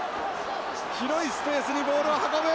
広いスペースにボールを運ぶ！